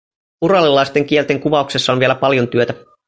Uralilaisten kielten kuvauksessa on vielä paljon työtä.